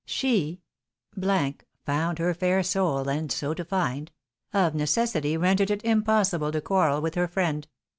She found her fair soul, And so to find, of necessity rendered it impossible to quarrel with her friend.